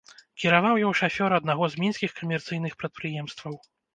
Кіраваў ёй шафёр аднаго з мінскіх камерцыйных прадпрыемстваў.